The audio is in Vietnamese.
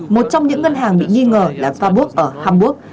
một trong những ngân hàng bị nghi ngờ là fabuk ở hàn quốc